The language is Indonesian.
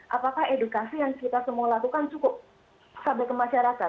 apakah edukasi yang kita semua lakukan cukup sampai ke masyarakat